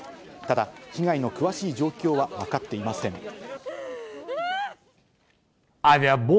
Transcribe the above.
ただ、被害の詳しい状況は分かっていません。